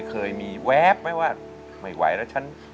เคยมีแว๊บไหมว่าไม่ไหวแล้วฉัน